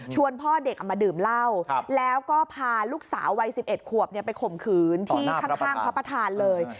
พ่อเด็กเอามาดื่มเหล้าแล้วก็พาลูกสาววัย๑๑ขวบไปข่มขืนที่ข้างพระประธานเลย